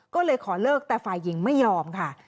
ก็เลยขอเลิกแต่ฝ่ายหญิงไม่ยอมค่ะ